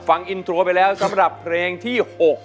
ฟังอินโทรไปแล้วสำหรับเพลงที่๖